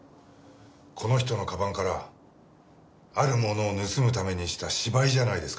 この人の鞄からあるものを盗むためにした芝居じゃないですか？